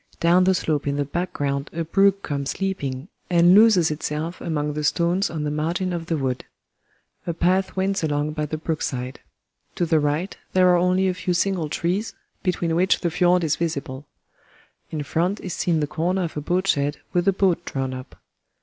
Down the slope in the background a brook comes leaping, and loses itself among the stones on the margin of the wood. A path winds along by the brook side. To the right there are only a few single trees, between which the fiord is visible. In front is seen the corner of a boat shed with a boat drawn up.